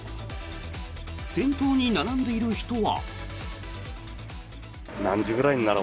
先頭に並んでいる人は。